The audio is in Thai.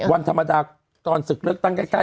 วันธรรมดาตอนศึกเลือกตั้งใกล้